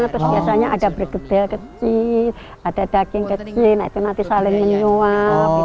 terus biasanya ada bergedel kecil ada daging kecil itu nanti saling menyuap